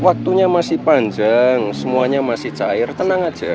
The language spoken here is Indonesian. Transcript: waktunya masih panjang semuanya masih cair tenang aja